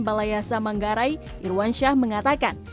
balai yasa manggarai irwansyah mengatakan